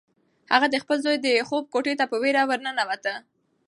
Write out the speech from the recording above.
هغه د خپل زوی د خوب کوټې ته په وېره ورننوته.